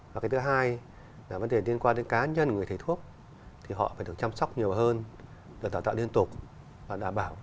và cái thứ hai là vấn đề liên quan đến cá nhân người thầy thuốc thì họ phải được chăm sóc nhiều hơn được đào tạo liên tục và đảm bảo